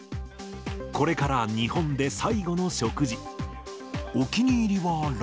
これから日本で最後の食事。